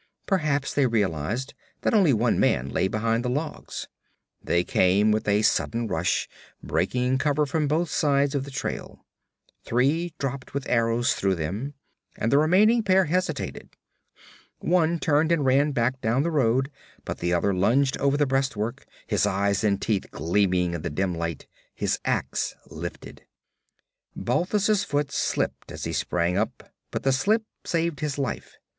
Perhaps they realized that only one man lay behind the logs. They came with a sudden rush, breaking cover from both sides of the trail. Three dropped with arrows through them and the remaining pair hesitated. One turned and ran back down the road, but the other lunged over the breastwork, his eyes and teeth gleaming in the dim light, his ax lifted. Balthus' foot slipped as he sprang up, but the slip saved his life.